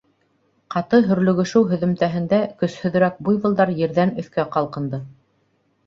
Ҡаты һөрлөгөшөү һөҙөмтәһендә көсһөҙөрәк буйволдар ерҙән өҫкә ҡалҡынды.